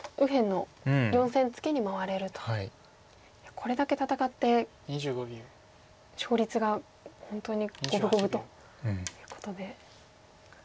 これだけ戦って勝率が本当に五分五分ということで。